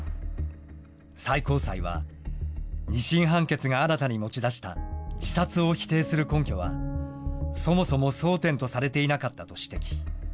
最高裁は、２審判決が新たに持ち出した自殺を否定する根拠は、そもそも争点とされていなかったと指摘。